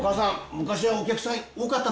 昔はお客さん多かったですか？